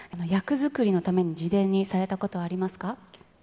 役作りのために、事前にされたことはありますか？